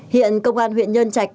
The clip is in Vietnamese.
hiện công an huyện nhân trạch